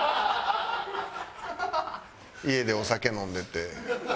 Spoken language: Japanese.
家でお酒飲んでて。